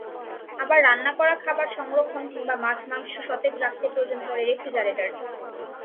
আবার রান্না করা খাবার সংরক্ষণ কিংবা মাছ-মাংস সতেজ রাখতে প্রয়োজন পড়ে রেফ্রিজারেটর।